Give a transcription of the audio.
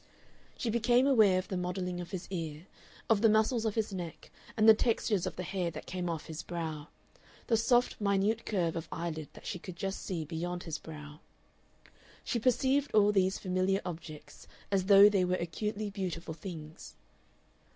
She became aware of the modelling of his ear, of the muscles of his neck and the textures of the hair that came off his brow, the soft minute curve of eyelid that she could just see beyond his brow; she perceived all these familiar objects as though they were acutely beautiful things.